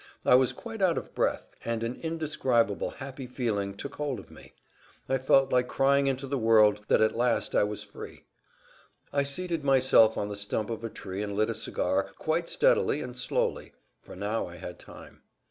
I was quite out of breath, and an indescribable happy feeling took hold of me. I felt like crying into the world that at last I was free. I seated myself on the stump of a tree and lit a cigar, quite steadily and slowly; for now I had time.